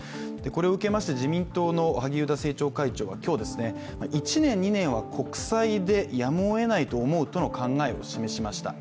これを受けまして自民党の萩生田政調会長は今日、１年、２年は国債でやむをえないと思うとの考えを示しました。